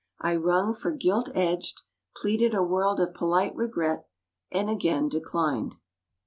I rung for gilt edged, pleaded a world of polite regret, and again declined.